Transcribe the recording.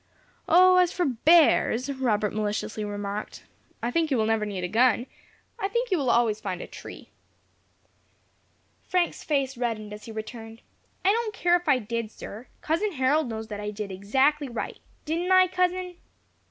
"O, as for bears," Robert maliciously remarked, "I think you will never need a gun. I think you will always find a tree." Frank's face reddened as he returned, "I don't care if I did, sir. Cousin Harold knows that I did exactly right. Didn't I, cousin?"